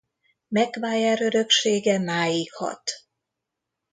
Macquarie öröksége máig hat.